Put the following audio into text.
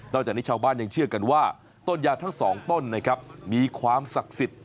จากนี้ชาวบ้านยังเชื่อกันว่าต้นยาทั้งสองต้นนะครับมีความศักดิ์สิทธิ์